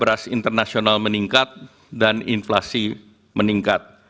beras internasional meningkat dan inflasi meningkat